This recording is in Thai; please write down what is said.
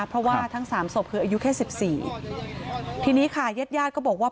เพราะว่าทั้งสามศพคืออายุแค่สิบสี่ทีนี้ค่ะญาติญาติก็บอกว่า